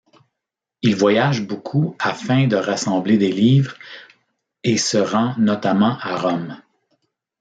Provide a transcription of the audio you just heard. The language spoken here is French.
Il voyage beaucoup afin de rassembler des livres, et se rend notamment à Rome.